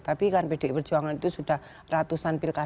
tapi kan pdk perjuangan itu sudah ratusan pilkart